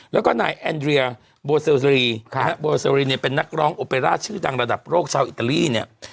แล้วก็นายแอนเรียโบเซลซรีโบเซอรีเนี่ยเป็นนักร้องโอเปร่าชื่อดังระดับโลกชาวอิตาลีเนี่ย